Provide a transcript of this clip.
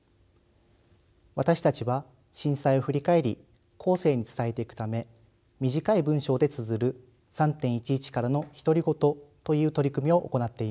私たちは震災を振り返り後世に伝えていくため短い文章でつづる「３．１１からの独り言」という取り組みを行っています。